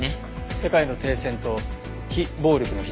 世界の停戦と非暴力の日ですね。